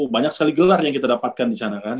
banyak sekali gelar yang kita dapatkan di sana kan